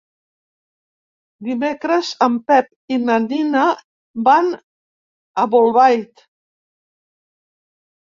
Dimecres en Pep i na Nina van a Bolbait.